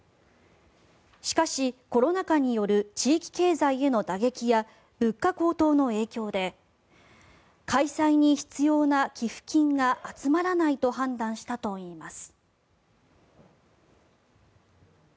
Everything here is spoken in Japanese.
しかし、コロナ禍による地域経済への打撃や物価高騰の影響で開催に必要な寄付金が集まらないと判断したといいます。